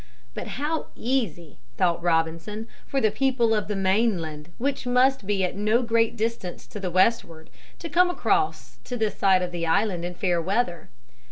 But how easy, thought Robinson, for the people of the mainland, which must be at no great distance to the westward, to come across to this side of the island in fair weather.